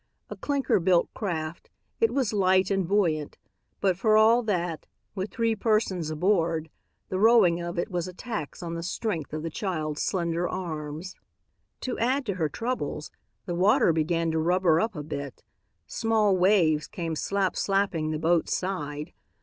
A clinker built craft, it was light and buoyant, but for all that, with three persons aboard, the rowing of it was a tax on the strength of the child's slender arms. To add to her troubles, the water began to rubber up a bit. Small waves came slap slapping the boat's side.